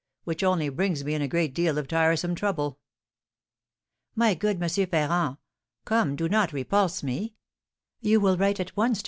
which only brings me in a great deal of tiresome trouble." "My good M. Ferrand! Come, do not repulse me. You will write at once to M.